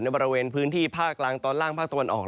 บริเวณพื้นที่ภาคกลางตอนล่างภาคตะวันออก